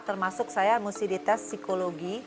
termasuk saya musti di tes psikologi